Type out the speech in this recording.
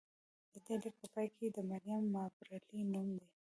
د دې لیک په پای کې د مریم مابرلي نوم و